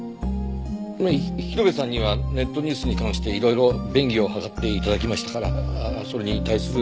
まあ広辺さんにはネットニュースに関していろいろ便宜を図って頂きましたからそれに対する。